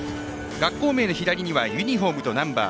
学校名の左にはユニフォームとナンバー。